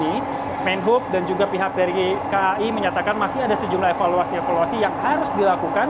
ini menhub dan juga pihak dari kai menyatakan masih ada sejumlah evaluasi evaluasi yang harus dilakukan